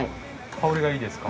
香りがいいですか？